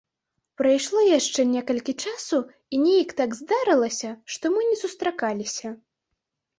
Прайшло яшчэ некалькі часу, і нейк так здарылася, што мы не сустракаліся.